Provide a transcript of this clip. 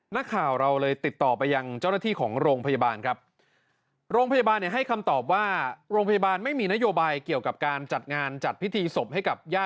นักข่าวเราเลยติดต่อไปยังเจ้าหน้าที่ของโรงพยาบาลครับ